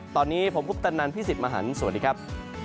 ตอนนี้ผมคุปตันนันพี่สิทธิ์มหันฯสวัสดีครับ